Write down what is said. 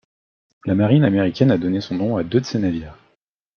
La marine américaine a donné son nom à deux de ses navires.